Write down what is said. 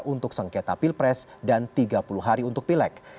untuk sengketa pilpres dan tiga puluh hari untuk pileg